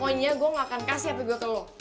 pokoknya gue nggak akan kasih hp gue ke lo